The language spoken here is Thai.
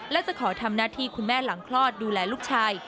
และจะขอทำหน้าที่คุณแม่หลังคลอดดูแลลูกชาย